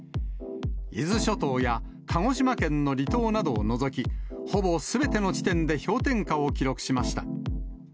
伊豆諸島や鹿児島県の離島などを除き、ほぼすべての地点で氷点下を記録しました。